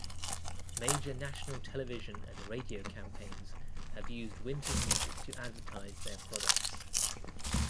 Major national television and radio campaigns have used Winter's music to advertise their products.